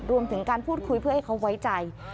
รวมถึงการพูดคุยเพื่อให้เขาไว้ใจ